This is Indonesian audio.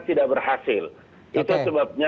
tidak berhasil itu sebabnya